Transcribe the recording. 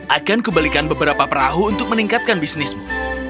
akan kubalikan beberapa perahu untuk meningkatkan bisnismu